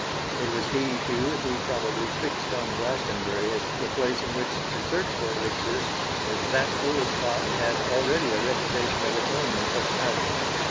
It was he, too, who probably fixed on Glastonbury as the place in which to search for Elixirs, as that holy spot had already a reputation of its own in such matters.